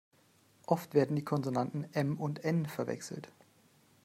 Oft werden die Konsonanten M und N verwechselt.